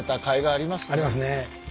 ありますね。